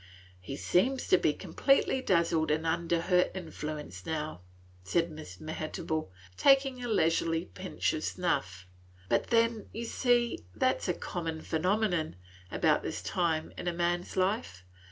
He seems to be completely dazzled and under her influence now," said Miss Mehitable, taking a leisurely pinch of snuff, "but then, you see, that 's a common phenomenon, about this time in a man's life.